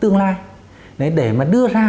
tương lai để mà đưa ra